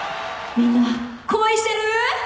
みんな恋してる？